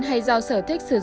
tay trần múc kèm